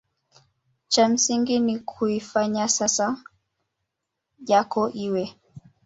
cha msingi ni kuifanya sasa yako iwe